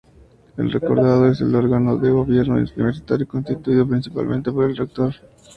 El rectorado es el órgano de gobierno universitario constituido principalmente por el rector.